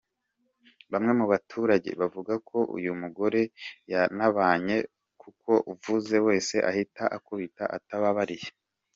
Bamwe mu baturage bavuga ko uyu mugore yabananiye kuko uvuze wese ahita ‘akubita atababariye’.